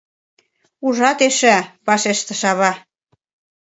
— Ужат эше, — вашештыш ава.